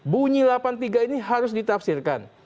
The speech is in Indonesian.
bunyi delapan puluh tiga ini harus ditafsirkan